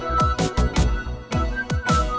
ke rumah emak